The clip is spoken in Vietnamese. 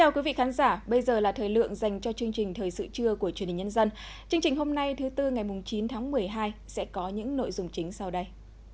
chương trình hôm nay thứ tư ngày chín tháng một mươi hai sẽ có những nội dung chính sau đây